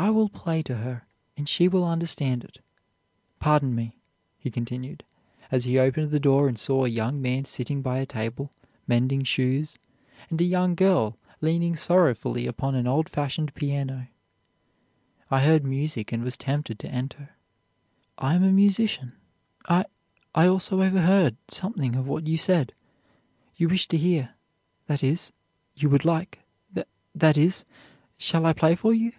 I will play to her, and she will understand it. Pardon me,' he continued, as he opened the door and saw a young man sitting by a table, mending shoes, and a young girl leaning sorrowfully upon an old fashioned piano; 'I heard music and was tempted to enter. I am a musician. I I also overheard something of what you said. You wish to hear that is, you would like that is shall I play for you?'